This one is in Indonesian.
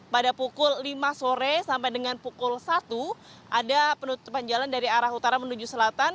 pada pukul lima sore sampai dengan pukul satu ada penutupan jalan dari arah utara menuju selatan